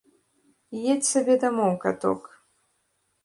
Едзь сабе дамоў, каток.